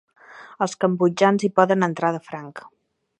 Els cambodjans hi poden entrar de franc.